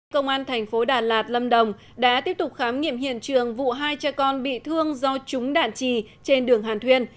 công an thành phố đà lạt lâm đồng đã tiếp tục khám nghiệm hiện trường vụ hai cha con bị thương do trúng đạn trì trên đường hàn thuyên